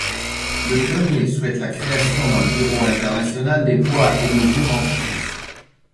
Le premier souhaite la création d'un Bureau international des poids et mesures en France.